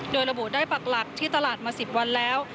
โดยระบุได้ปักหลักที่ตลาดมา๑๐วันแล้ว